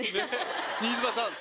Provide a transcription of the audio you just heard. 新妻さん